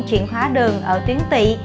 chuyển hóa đường ở tuyến tị